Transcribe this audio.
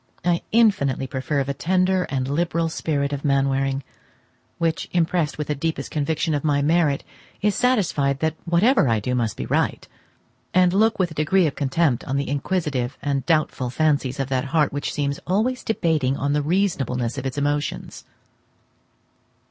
I infinitely prefer the tender and liberal spirit of Mainwaring, which, impressed with the deepest conviction of my merit, is satisfied that whatever I do must be right; and look with a degree of contempt on the inquisitive and doubtful fancies of that heart which seems always debating on the reasonableness of its emotions.